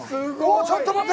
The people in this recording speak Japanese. ちょっと待って！